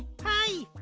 はい。